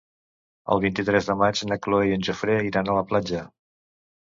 El vint-i-tres de maig na Cloè i en Jofre iran a la platja.